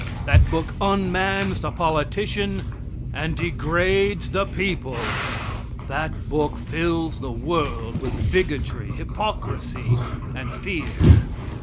That book unmans the politician and degrades the people. That book fills the world with bigotry, hypocrisy and fear.